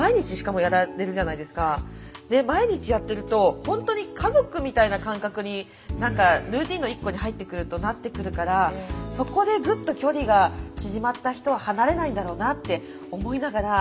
毎日やってるとほんとに家族みたいな感覚に何かルーティーンの一個に入ってくるとなってくるからそこでグッと距離が縮まった人は離れないんだろうなって思いながら。